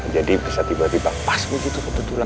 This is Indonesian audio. jadi bisa tiba tiba pas begitu kebetulan